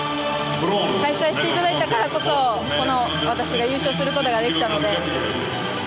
開催していただいたからこそ私が優勝することができたので。